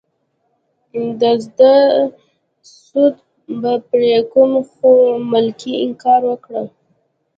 د زده سود به پرې کوم خو ملکې انکار وکړ.